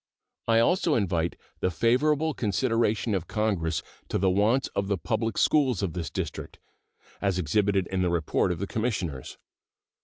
I also invite the favorable consideration of Congress to the wants of the public schools of this District, as exhibited in the report of the Commissioners.